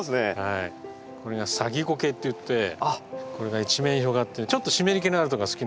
これが「サギゴケ」っていってこれが一面に広がってちょっと湿り気のあるとこが好きなね